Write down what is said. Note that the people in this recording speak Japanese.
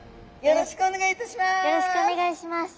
よろしくお願いします。